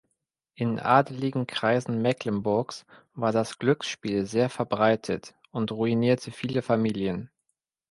In adeligen Kreisen Mecklenburgs war das Glücksspiel sehr verbreitet und ruinierte viele Familien.